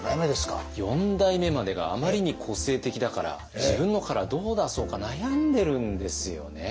四代目までがあまりに個性的だから自分のカラーどう出そうか悩んでるんですよね。